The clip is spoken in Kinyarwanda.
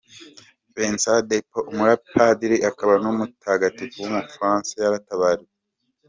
Vincent de Paul, umupadiri akaba n’umutagatifu w’umufaransa yaratabarutse.